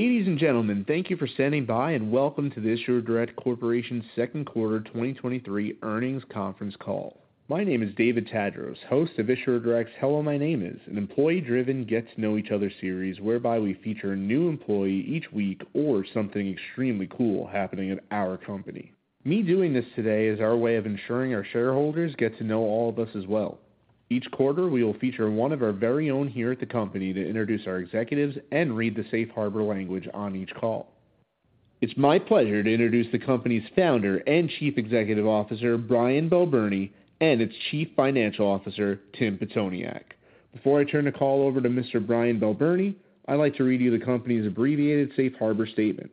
Ladies and gentlemen, thank you for standing by, and welcome to the Issuer Direct Corporation's second quarter 2023 earnings conference call. My name is David Tadros, host of Issuer Direct's Hello, My Name Is, an employee-driven, get-to-know-each-other series, whereby we feature a new employee each week or something extremely cool happening at our company. Me doing this today is our way of ensuring our shareholders get to know all of us as well. Each quarter, we will feature one of our very own here at the company to introduce our executives and read the safe harbor language on each call. It's my pleasure to introduce the company's founder and Chief Executive Officer, Brian Balbirnie, and its Chief Financial Officer, Tim Pitoniak. Before I turn the call over to Mr. Brian Balbirnie, I'd like to read you the company's abbreviated safe harbor statement.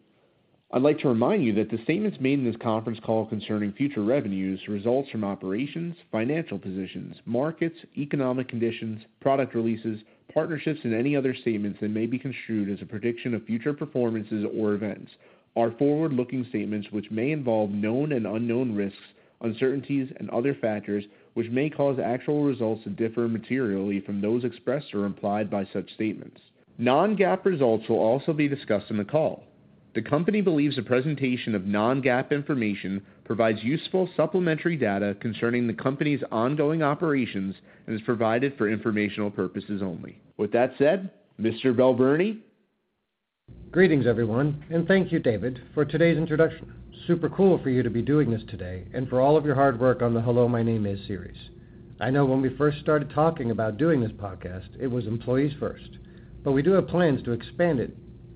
I'd like to remind you that the statements made in this conference call concerning future revenues, results from operations, financial positions, markets, economic conditions, product releases, partnerships, and any other statements that may be construed as a prediction of future performances or events are forward-looking statements, which may involve known and unknown risks, uncertainties, and other factors, which may cause actual results to differ materially from those expressed or implied by such statements. Non-GAAP results will also be discussed in the call. The company believes a presentation of non-GAAP information provides useful supplementary data concerning the company's ongoing operations and is provided for informational purposes only. With that said, Mr. Balbirnie? Greetings, everyone, and thank you, David, for today's introduction. Super cool for you to be doing this today and for all of your hard work on the Hello, My Name Is series. I know when we first started talking about doing this podcast, it was employees first, but we do have plans to expand it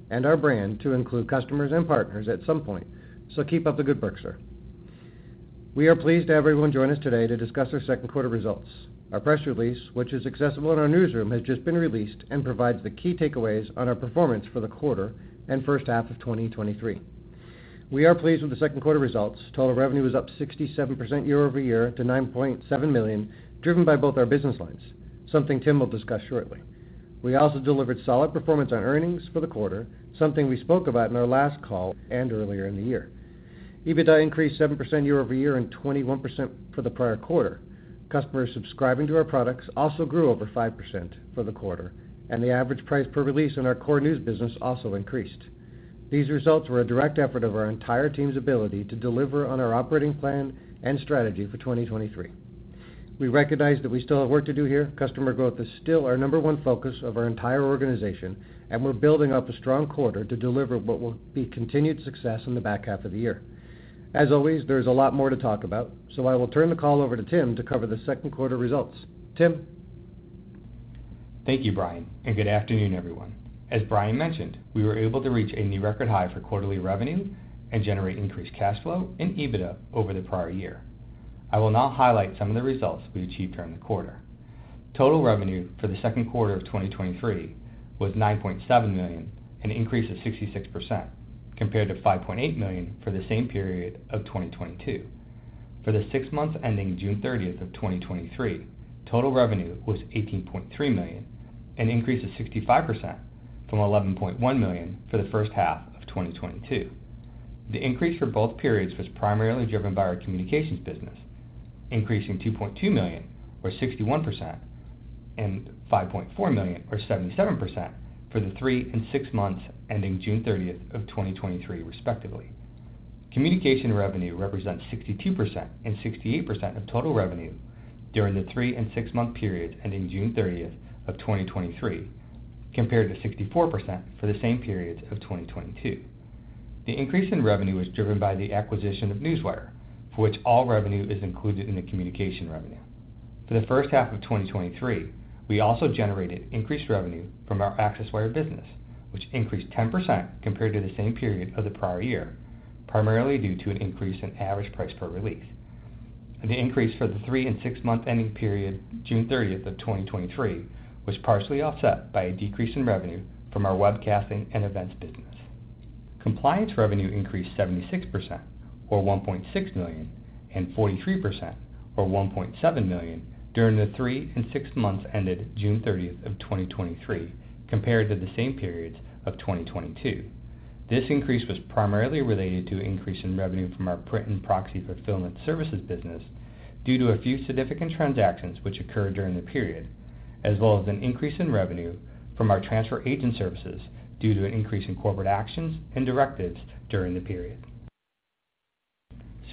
and our brand to include customers and partners at some point. Keep up the good work, sir. We are pleased to have everyone join us today to discuss our second quarter results. Our press release, which is accessible in our newsroom, has just been released and provides the key takeaways on our performance for the quarter and first half of 2023. We are pleased with the second quarter results. Total revenue is up 67% year-over-year to $9.7 million, driven by both our business lines, something Tim will discuss shortly. We also delivered solid performance on earnings for the quarter, something we spoke about in our last call and earlier in the year. EBITDA increased 7% year-over-year and 21% for the prior quarter. Customers subscribing to our products also grew over 5% for the quarter, and the average price per release in our core news business also increased. These results were a direct effort of our entire team's ability to deliver on our operating plan and strategy for 2023. We recognize that we still have work to do here. Customer growth is still our number one focus of our entire organization, and we're building up a strong quarter to deliver what will be continued success in the back half of the year. As always, there's a lot more to talk about, so I will turn the call over to Tim to cover the second quarter results. Tim? Thank you, Brian, and good afternoon, everyone. As Brian mentioned, we were able to reach a new record high for quarterly revenue and generate increased cash flow and EBITDA over the prior year. I will now highlight some of the results we achieved during the quarter. Total revenue for the second quarter of 2023 was $9.7 million, an increase of 66%, compared to $5.8 million for the same period of 2022. For the six months ending June 30th of 2023, total revenue was $18.3 million, an increase of 65% from $11.1 million for the first half of 2022. The increase for both periods was primarily driven by our communications business, increasing $2.2 million or 61%, and $5.4 million or 77% for the three and six months ending June 30th of 2023, respectively. Communication revenue represents 62% and 68% of total revenue during the three and six-month periods ending June 30th of 2023, compared to 64% for the same periods of 2022. The increase in revenue was driven by the acquisition of Newswire, for which all revenue is included in the communication revenue. For the first half of 2023, we also generated increased revenue from our Accesswire business, which increased 10% compared to the same period of the prior year, primarily due to an increase in average price per release. The increase for the three and six-month ending period, June 30th of 2023, was partially offset by a decrease in revenue from our webcasting and events business. Compliance revenue increased 76%, or $1.6 million, and 43%, or $1.7 million, during the three and six months ended June 30th of 2023, compared to the same periods of 2022. This increase was primarily related to an increase in revenue from our print and proxy fulfillment services business due to a few significant transactions which occurred during the period, as well as an increase in revenue from our transfer agent services due to an increase in corporate actions and directives during the period.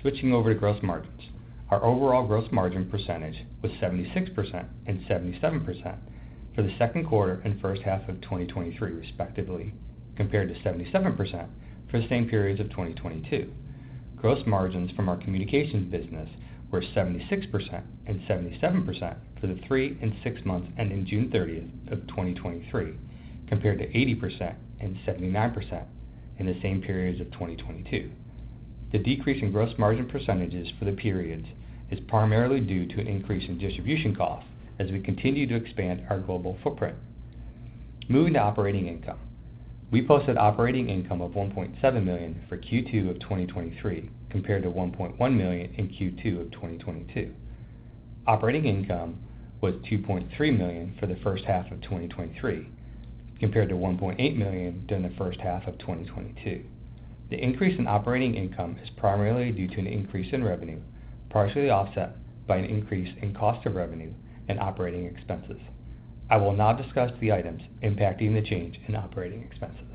Switching over to gross margins. Our overall gross margin percentage was 76% and 77% for the Q2 and first half of 2023, respectively, compared to 77% for the same periods of 2022. Gross margins from our communications business were 76% and 77% for the three and six months, ending June 30th of 2023, compared to 80% and 79% in the same periods of 2022. The decrease in gross margin percentages for the periods is primarily due to an increase in distribution costs as we continue to expand our global footprint. Moving to operating income. We posted operating income of $1.7 million for Q2 of 2023, compared to $1.1 million in Q2 of 2022. Operating income was $2.3 million for the first half of 2023, compared to $1.8 million during the first half of 2022. The increase in operating income is primarily due to an increase in revenue, partially offset by an increase in cost of revenue and operating expenses. I will now discuss the items impacting the change in operating expenses.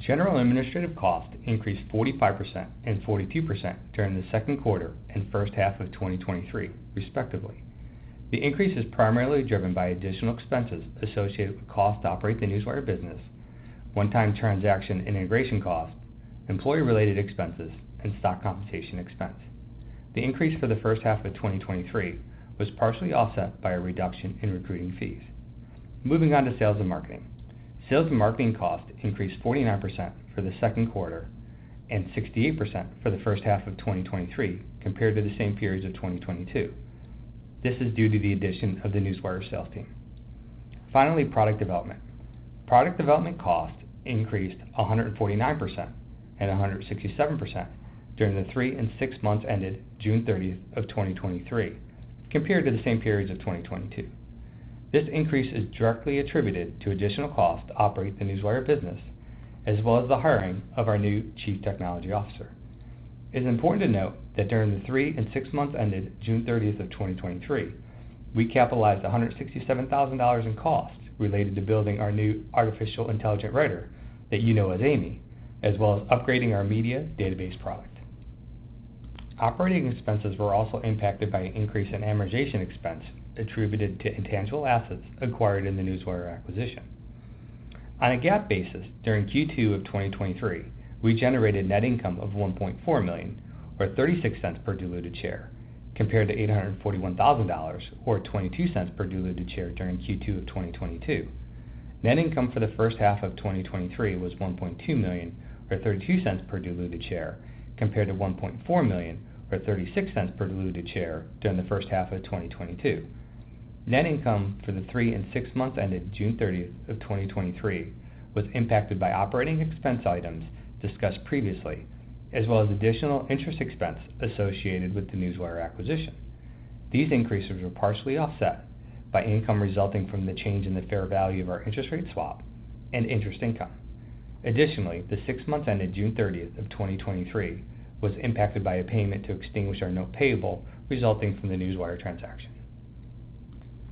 General administrative costs increased 45% and 42% during the second quarter and first half of 2023, respectively. The increase is primarily driven by additional expenses associated with costs to operate the Newswire business, one-time transaction integration costs, employee-related expenses, and stock compensation expense. The increase for the first half of 2023 was partially offset by a reduction in recruiting fees. Moving on to sales and marketing. Sales and marketing costs increased 49% for the second quarter and 68% for the first half of 2023 compared to the same periods of 2022. This is due to the addition of the Newswire sales team. Finally, product development. Product development costs increased 149% and 167% during the three and six months ended June 30th of 2023, compared to the same periods of 2022. This increase is directly attributed to additional costs to operate the Newswire business, as well as the hiring of our new chief technology officer. It's important to note that during the three and six months ended June 30th of 2023, we capitalized $167,000 in costs related to building our new artificial intelligent writer, that you know as AImee, as well as upgrading our media database product. Operating expenses were also impacted by an increase in amortization expense attributed to intangible assets acquired in the Newswire acquisition. On a GAAP basis, during Q2 of 2023, we generated net income of $1.4 million, or $0.36 per diluted share, compared to $841,000, or $0.22 per diluted share during Q2 of 2022. Net income for the first half of 2023 was $1.2 million, or $0.32 per diluted share, compared to $1.4 million, or $0.36 per diluted share during the first half of 2022. Net income for the three and six months ended June 30th of 2023 was impacted by operating expense items discussed previously, as well as additional interest expense associated with the Newswire acquisition. These increases were partially offset by income resulting from the change in the fair value of our interest rate swap and interest income. Additionally, the 6 months ended June 30th of 2023 was impacted by a payment to extinguish our note payable, resulting from the Newswire transaction.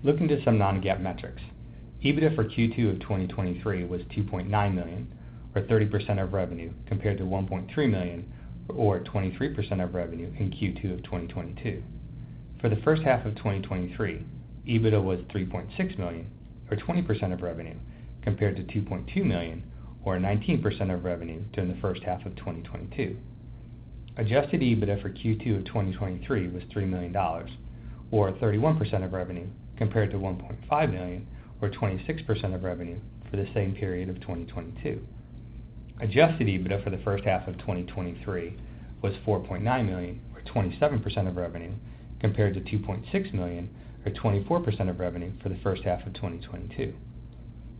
Looking to some non-GAAP metrics. EBITDA for Q2 of 2023 was $2.9 million, or 30% of revenue, compared to $1.3 million, or 23% of revenue in Q2 of 2022. For the first half of 2023, EBITDA was $3.6 million, or 20% of revenue, compared to $2.2 million, or 19% of revenue during the first half of 2022. Adjusted EBITDA for Q2 of 2023 was $3 million, or 31% of revenue, compared to $1.5 million, or 26% of revenue for the same period of 2022. Adjusted EBITDA for the first half of 2023 was $4.9 million, or 27% of revenue, compared to $2.6 million, or 24% of revenue for the first half of 2022.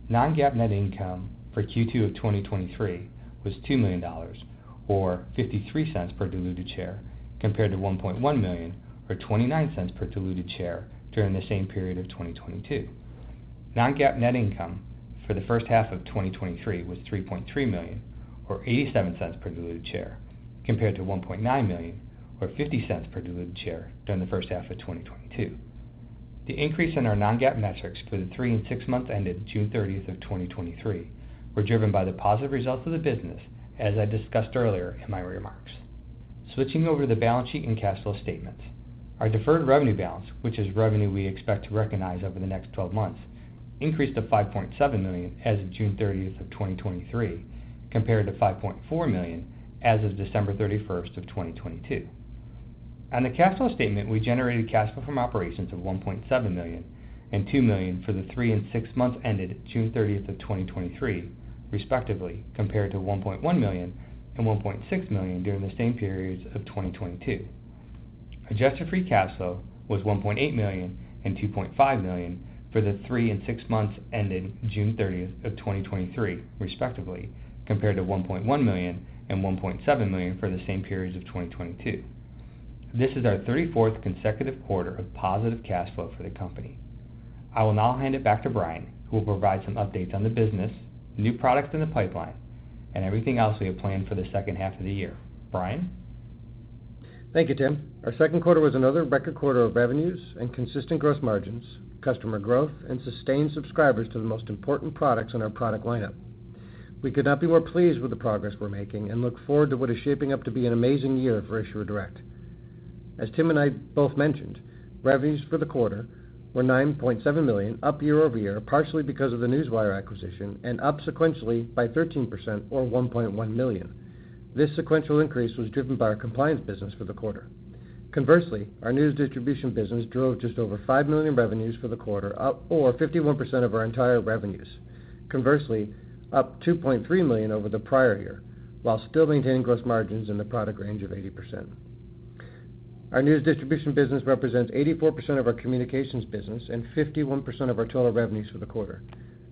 Non-GAAP net income for Q2 of 2023 was $2 million, or $0.53 per diluted share, compared to $1.1 million, or $0.29 per diluted share during the same period of 2022. Non-GAAP net income for the first half of 2023 was $3.3 million, or $0.87 per diluted share, compared to $1.9 million, or $0.50 per diluted share during the first half of 2022. The increase in our Non-GAAP metrics for the three and six months ended June 30th of 2023 were driven by the positive results of the business, as I discussed earlier in my remarks. Switching over to the balance sheet and cash flow statements. Our deferred revenue balance, which is revenue we expect to recognize over the next 12 months, increased to $5.7 million as of June 30th of 2023, compared to $5.4 million as of December 31st of 2022. On the cash flow statement, we generated cash flow from operations of $1.7 million and $2 million for the three and six months ended June 30th of 2023, respectively, compared to $1.1 million and $1.6 million during the same periods of 2022. Adjusted Free Cash Flow was $1.8 million and $2.5 million for the three and six months ended June 30th of 2023, respectively, compared to $1.1 million and $1.7 million for the same periods of 2022. This is our 34th consecutive quarter of positive cash flow for the company. I will now hand it back to Brian, who will provide some updates on the business, new products in the pipeline, and everything else we have planned for the second half of the year. Brian? Thank you, Tim. Our second quarter was another record quarter of revenues and consistent gross margins, customer growth, and sustained subscribers to the most important products in our product lineup. We could not be more pleased with the progress we're making and look forward to what is shaping up to be an amazing year for Issuer Direct. As Tim and I both mentioned, revenues for the quarter were $9.7 million, up year-over-year, partially because of the Newswire acquisition and up sequentially by 13% or $1.1 million. This sequential increase was driven by our compliance business for the quarter. Conversely, our news distribution business drove just over $5 million revenues for the quarter up, or 51% of our entire revenues. Conversely, up $2.3 million over the prior year, while still maintaining gross margins in the product range of 80%. Our news distribution business represents 84% of our communications business and 51% of our total revenues for the quarter.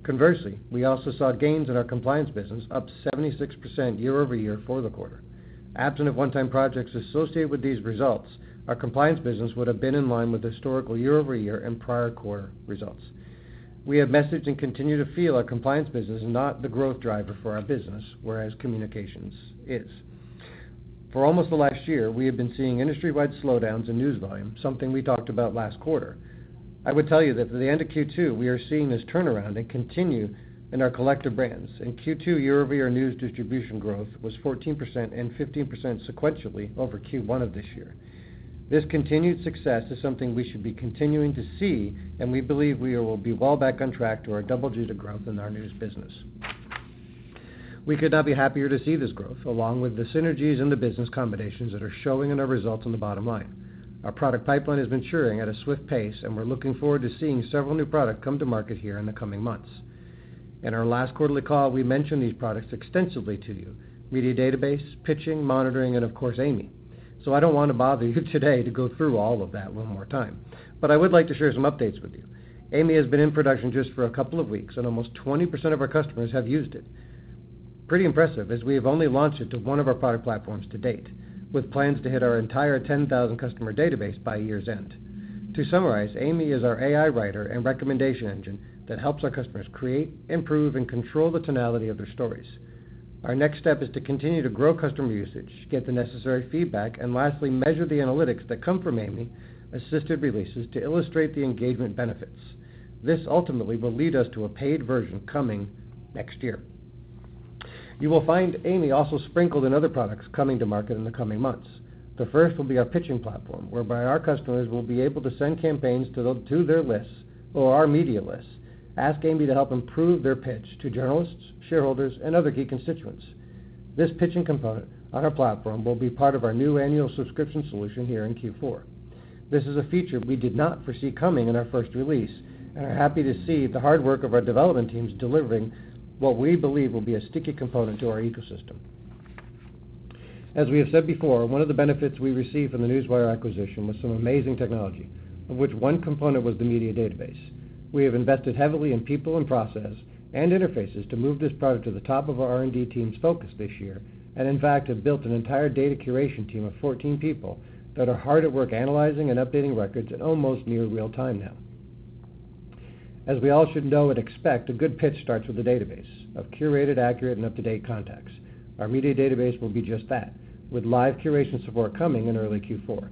Conversely, we also saw gains in our compliance business, up 76% year-over-year for the quarter. Absent of one-time projects associated with these results, our compliance business would have been in line with historical year-over-year and prior quarter results. We have messaged and continue to feel our compliance business is not the growth driver for our business, whereas communications is. For almost the last year, we have been seeing industry-wide slowdowns in news volume, something we talked about last quarter. I would tell you that at the end of Q2, we are seeing this turnaround and continue in our collective brands, Q2 year-over-year news distribution growth was 14% and 15% sequentially over Q1 of this year. This continued success is something we should be continuing to see, and we believe we will be well back on track to our double-digit growth in our news business. We could not be happier to see this growth, along with the synergies and the business combinations that are showing in our results on the bottom line. Our product pipeline is maturing at a swift pace, and we're looking forward to seeing several new products come to market here in the coming months. In our last quarterly call, we mentioned these products extensively to you: media database, pitching, monitoring, and of course, AImee. I don't want to bother you today to go through all of that one more time, but I would like to share some updates with you. AImee has been in production just for a couple of weeks, and almost 20% of our customers have used it. Pretty impressive, as we have only launched it to one of our product platforms to date, with plans to hit our entire 10,000 customer database by year's end. To summarize, AImee is our AI writer and recommendation engine that helps our customers create, improve, and control the tonality of their stories. Our next step is to continue to grow customer usage, get the necessary feedback, and lastly, measure the analytics that come from AImee-assisted releases to illustrate the engagement benefits. This ultimately will lead us to a paid version coming next year. You will find AImee also sprinkled in other products coming to market in the coming months. The first will be our pitching platform, whereby our customers will be able to send campaigns to their lists or our media lists, asking AImee to help improve their pitch to journalists, shareholders, and other key constituents. This pitching component on our platform will be part of our new annual subscription solution here in Q4. This is a feature we did not foresee coming in our first release, and are happy to see the hard work of our development teams delivering what we believe will be a sticky component to our ecosystem. As we have said before, one of the benefits we received from the Newswire acquisition was some amazing technology, of which one component was the media database. We have invested heavily in people and process and interfaces to move this product to the top of our R&D team's focus this year, and in fact, have built an entire data curation team of 14 people that are hard at work analyzing and updating records in almost near real-time now. As we all should know and expect, a good pitch starts with a database of curated, accurate, and up-to-date contacts. Our media database will be just that, with live curation support coming in early Q4.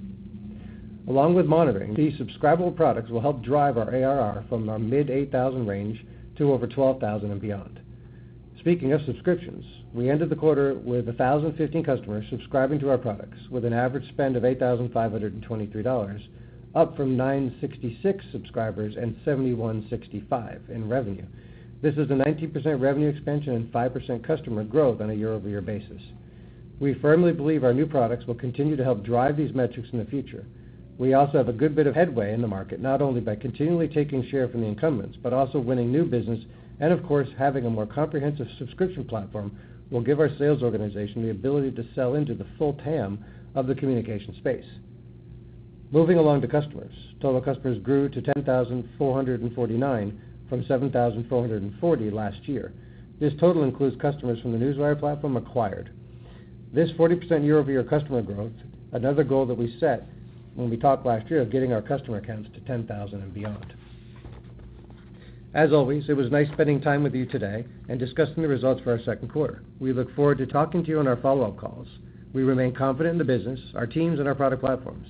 Along with monitoring, these subscribable products will help drive our ARR from our mid 8,000 range to over 12,000 and beyond. Speaking of subscriptions, we ended the quarter with 1,015 customers subscribing to our products with an average spend of $8,523, up from 966 subscribers and $7,165 in revenue. This is a 19% revenue expansion and 5% customer growth on a year-over-year basis. We firmly believe our new products will continue to help drive these metrics in the future. We also have a good bit of headway in the market, not only by continually taking share from the incumbents, but also winning new business. Of course, having a more comprehensive subscription platform will give our sales organization the ability to sell into the full TAM of the communication space. Moving along to customers. Total customers grew to 10,449 from 7,440 last year. This total includes customers from the Newswire platform acquired. This 40% year-over-year customer growth, another goal that we set when we talked last year of getting our customer accounts to 10,000 and beyond. As always, it was nice spending time with you today and discussing the results for our second quarter. We look forward to talking to you on our follow-up calls. We remain confident in the business, our teams, and our product platforms.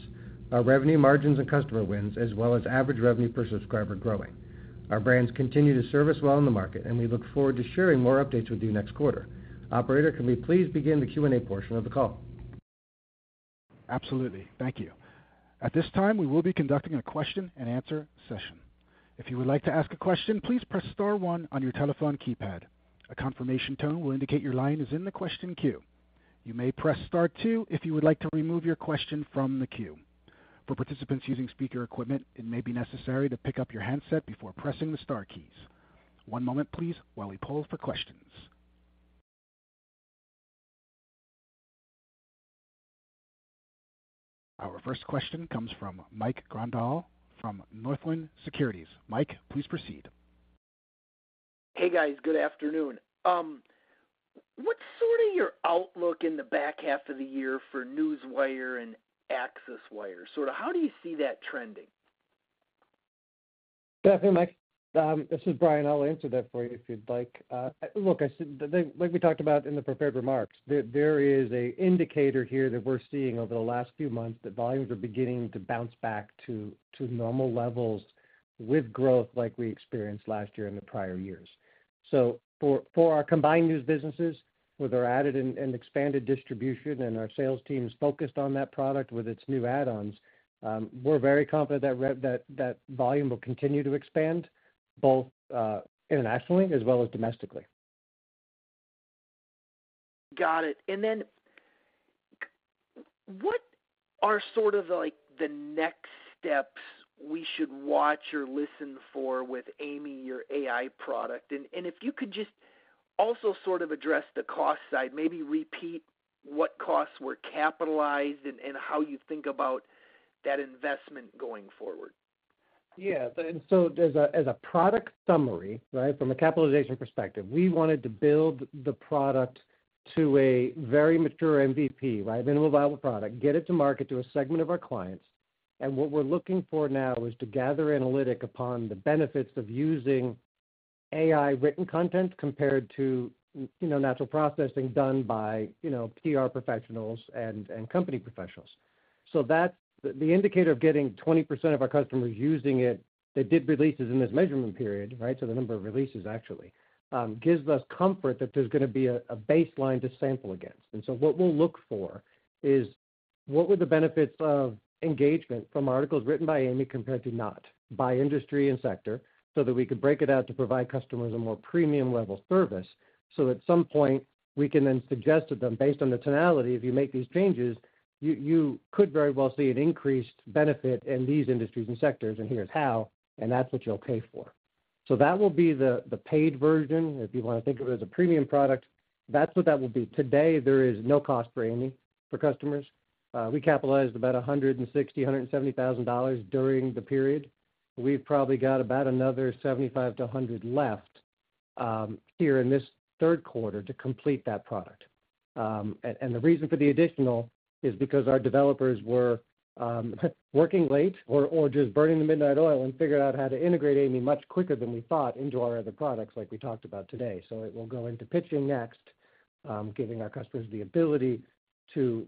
Our revenue margins and customer wins, as well as average revenue per subscriber, growing. Our brands continue to service well in the market. We look forward to sharing more updates with you next quarter. Operator, can we please begin the Q&A portion of the call? Absolutely. Thank you. At this time, we will be conducting a question-and-answer session. If you would like to ask a question, please press star one on your telephone keypad. A confirmation tone will indicate your line is in the question queue. You may press star two if you would like to remove your question from the queue. For participants using speaker equipment, it may be necessary to pick up your handset before pressing the star keys. One moment, please, while we poll for questions. Our first question comes from Mike Grondahl from Northland Securities. Mike, please proceed. Hey, guys. Good afternoon. What's sort of your outlook in the back half of the year for Newswire and Accesswire? Sort of how do you see that trending? Definitely, Mike. This is Brian. I'll answer that for you if you'd like. Look, I said, like we talked about in the prepared remarks, there, there is a indicator here that we're seeing over the last few months that volumes are beginning to bounce back to, to normal levels with growth like we experienced last year and the prior years. For, for our combined news businesses, with our added and, and expanded distribution and our sales teams focused on that product with its new add-ons, we're very confident that that volume will continue to expand, both internationally as well as domestically. Got it. Then what are sort of like the next steps we should watch or listen for with AImee, your AI product? If you could just also sort of address the cost side, maybe repeat what costs were capitalized and how you think about that investment going forward. Yeah, as a, as a product summary, right? From a capitalization perspective, we wanted to build the product to a very mature MVP, right? Minimum viable product, get it to market to a segment of our clients. What we're looking for now is to gather analytic upon the benefits of using AI written content compared to, you know, natural processing done by, you know, PR professionals and, and company professionals. That's the indicator of getting 20% of our customers using it, that did releases in this measurement period, right? The number of releases actually gives us comfort that there's gonna be a, a baseline to sample against. What we'll look for is, what were the benefits of engagement from articles written by AImee compared to not, by industry and sector, so that we could break it out to provide customers a more premium level service. At some point, we can then suggest to them, based on the tonality, if you make these changes, you, you could very well see an increased benefit in these industries and sectors, and here's how, and that's what you'll pay for. That will be the, the paid version, if you wanna think of it as a premium product. That's what that will be. Today, there is no cost for AImee, for customers. We capitalized about $160,000-$170,000 during the period. We've probably got about another $75,000-$100,000 left here in this third quarter to complete that product. The reason for the additional is because our developers were working late or just burning the midnight oil and figuring out how to integrate AImee much quicker than we thought into our other products, like we talked about today. It will go into pitching next, giving our customers the ability to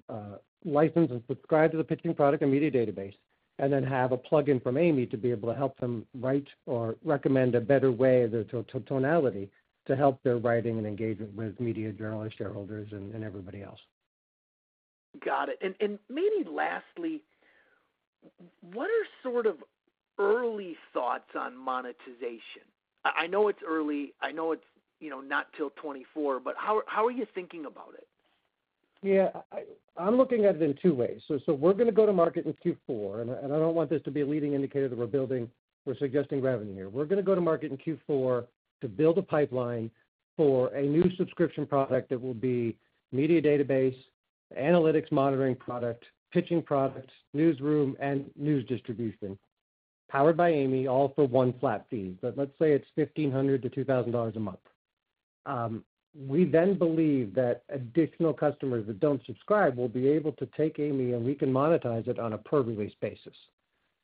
license and subscribe to the pitching product and media database, and then have a plugin from AImee to be able to help them write or recommend a better way of the tonality, to help their writing and engagement with media, journalists, shareholders, and everybody else. Got it. And maybe lastly, what are sort of early thoughts on monetization? I, I know it's early. I know it's, you know, not till 2024, but how, how are you thinking about it? Yeah, I, I'm looking at it in two ways. We're gonna go to market in Q4, and, and I don't want this to be a leading indicator that we're building for suggesting revenue here. We're gonna go to market in Q4 to build a pipeline for a new subscription product that will be media database, analytics monitoring product, pitching products, newsroom, and news distribution, powered by AImee, all for one flat fee. Let's say it's $1,500-$2,000 a month. We then believe that additional customers that don't subscribe will be able to take AImee, and we can monetize it on a per-release basis.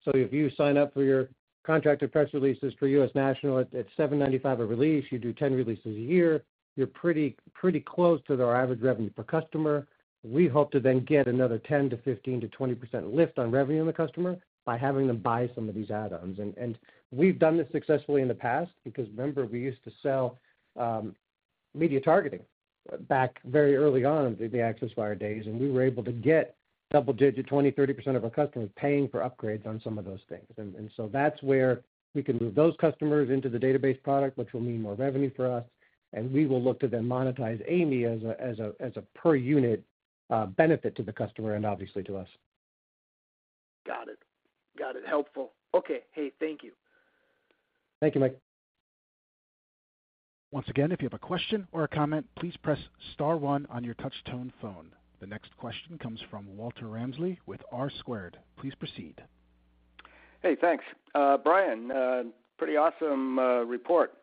If you sign up for your contracted press releases for U.S. National at, at $795 a release, you do 10 releases a year, you're pretty, pretty close to their average revenue per customer. We hope to then get another 10%-15%-20% lift on revenue in the customer, by having them buy some of these add-ons. we've done this successfully in the past, because remember, we used to sell media targeting back very early on in the Accesswire days, and we were able to get double-digit, 20%, 30% of our customers paying for upgrades on some of those things. so that's where we can move those customers into the database product, which will mean more revenue for us, and we will look to then monetize AImee as a, as a, as a per unit benefit to the customer and obviously to us. Got it. Got it. Helpful. Okay, hey, thank you. Thank you, Mike. Once again, if you have a question or a comment, please press star one on your touch tone phone. The next question comes from Walter Ramsley with R-Squared. Please proceed. Hey, thanks. Brian, pretty awesome report.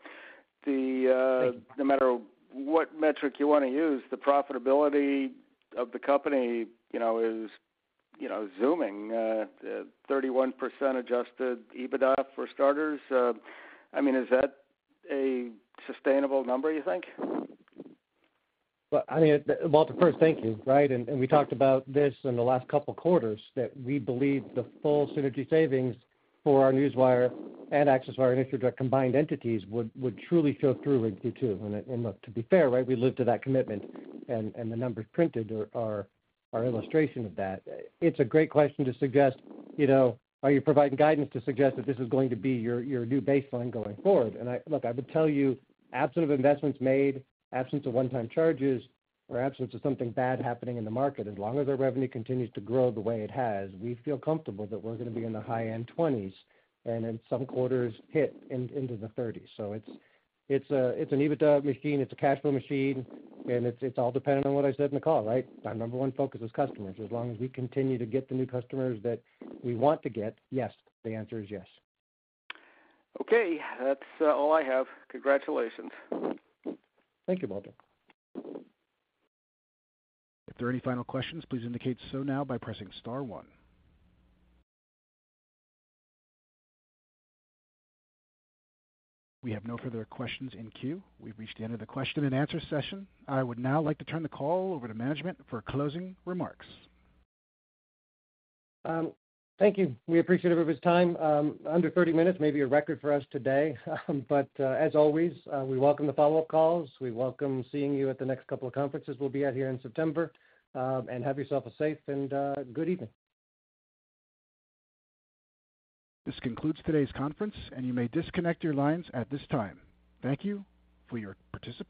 Thank you. No matter what metric you wanna use, the profitability of the company, you know, is, you know, zooming, 31% Adjusted EBITDA for starters. I mean, is that a sustainable number, you think? Well, I mean, Walter, first, thank you. Right, we talked about this in the last couple of quarters, that we believe the full synergy savings for our Newswire and Accesswire and Introjet combined entities would, would truly show through in Q2. Look, to be fair, right, we lived to that commitment, and, and the numbers printed are, are illustration of that. It's a great question to suggest, you know, are you providing guidance to suggest that this is going to be your, your new baseline going forward? Look, I would tell you, absent of investments made, absent of one-time charges or absent of something bad happening in the market, as long as our revenue continues to grow the way it has, we feel comfortable that we're gonna be in the high end 20s, and in some quarters, hit into the 30s. It's, it's a, it's an EBITDA machine, it's a cash flow machine, and it's, it's all dependent on what I said in the call, right? My number one focus is customers. As long as we continue to get the new customers that we want to get, yes, the answer is yes. Okay, that's all I have. Congratulations. Thank you, Walter. If there are any final questions, please indicate so now by pressing star one. We have no further questions in queue. We've reached the end of the question and answer session. I would now like to turn the call over to management for closing remarks. Thank you. We appreciate everybody's time. Under 30 minutes, maybe a record for us today. As always, we welcome the follow-up calls. We welcome seeing you at the next couple of conferences. We'll be out here in September. Have yourself a safe and good evening. This concludes today's conference, and you may disconnect your lines at this time. Thank you for your participation.